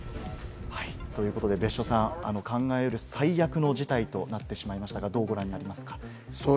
ということで別所さん、考えうる最悪の事態となってしまいましたが、どうご覧になりますか？